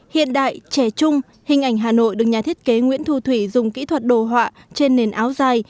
hiện đại trẻ trung hình ảnh hà nội được nhà thiết kế nguyễn thu thủy dùng kỹ thuật đồ họa trên nền áo dài